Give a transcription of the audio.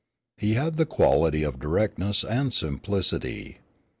He had the quality of directness and simplicity.